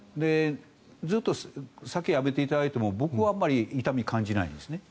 ずっと酒をやめていただいても僕はあまり痛みを感じないんですね。